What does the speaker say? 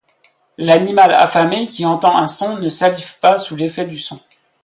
L'animal affamé qui entend un son ne salive pas sous l'effet du son.